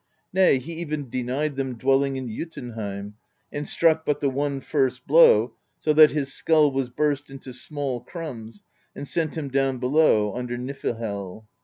Nay, he even denied him dwelling in Jcitunheim, and struck but the one first blow, so that his skull was burst into small crumbs, and sent him down below under Niflhel.